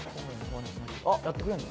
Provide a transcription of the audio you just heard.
やってくれんの？